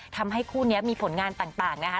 ทำให้คู่นี้มีผลงานต่างนะคะ